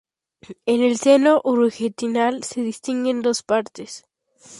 En el seno urogenital se distinguen dos partes.